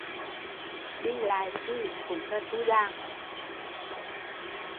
Đi lại chi cũng là tui làm